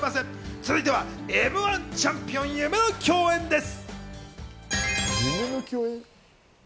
続いてはМ‐１チャンピオンが共演です。